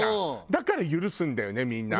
だから許すんだよねみんな。